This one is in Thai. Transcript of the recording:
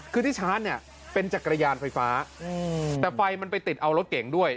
คือที่ชาร์จเนี่ยเป็นจักรยานไฟฟ้าแต่ไฟมันไปติดเอารถเก่งด้วย